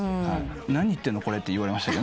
「何言ってんの？これ」って言われました。